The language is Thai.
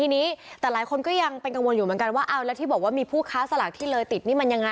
ทีนี้แต่หลายคนก็ยังเป็นกังวลอยู่เหมือนกันว่าเอาแล้วที่บอกว่ามีผู้ค้าสลากที่เลยติดนี่มันยังไง